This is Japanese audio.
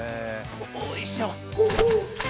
おいしょ。